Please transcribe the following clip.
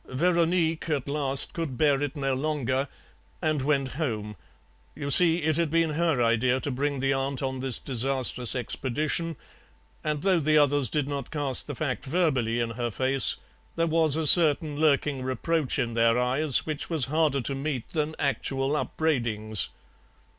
"'Veronique at last could bear it no longer, and went home; you see, it had been her idea to bring the aunt on this disastrous expedition, and though the others did not cast the fact verbally in her face, there was a certain lurking reproach in their eyes which was harder to meet than actual upbraidings.